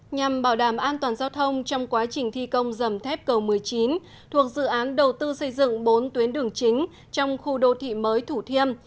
nhằm bảo đảm an toàn giao thông trong quá trình thi công dầm thép cầu một mươi chín thuộc dự án đầu tư xây dựng bốn tuyến đường chính trong khu đô thị mới thủ thiêm